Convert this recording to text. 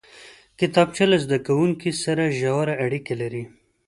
کتابچه له زده کوونکي سره ژوره اړیکه لري